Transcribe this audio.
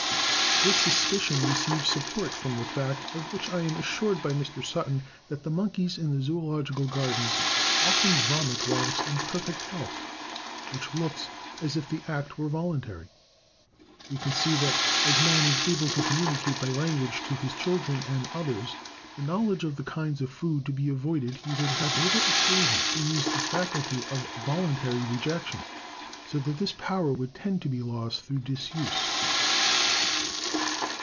This suspicion receives support from the fact, of which I am assured by Mr. Sutton, that the monkeys in the Zoological Gardens often vomit whilst in perfect health, which looks as if the act were voluntary. We can see that as man is able to communicate by language to his children and others, the knowledge of the kinds of food to be avoided, he would have little occasion to use the faculty of voluntary rejection; so that this power would tend to be lost through disuse.